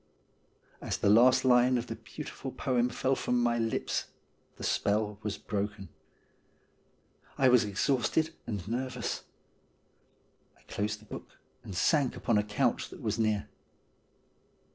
As the last line of the beautiful poem fell from my lips the spell was broken. I was exhausted and nervous. I closed the book, and sank upon a couch that was near.